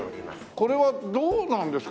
これはどうなんですか？